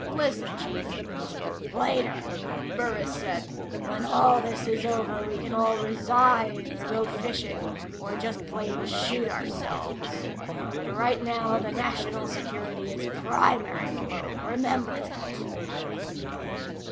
Listen, Chief " "Later," Burris said. "When this is over we can all resign, or go fishing, or just plain shoot ourselves. But right now the national security is primary, Malone. Remember that."